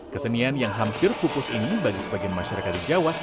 kesenian yang hampir pupus ini bagi sebagian masyarakat di jawa